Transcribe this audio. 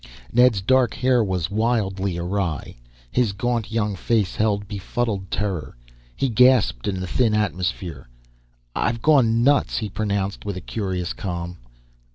Ned's dark hair was wildly awry. His gaunt, young face held befuddled terror. He gasped in the thin atmosphere. "I've gone nuts," he pronounced with a curious calm.